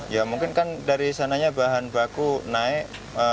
ya mungkin kan dari sananya bahan baku naik